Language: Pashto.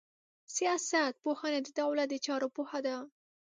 سياست پوهنه د دولت د چارو پوهه ده.